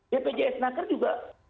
bpjs naker juga